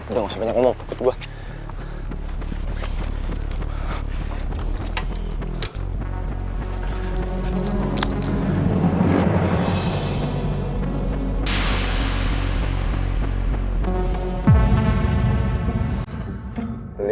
udah gak usah banyak ngomong ikut gue